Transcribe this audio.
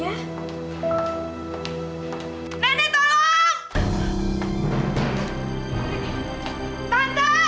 ya ampun nene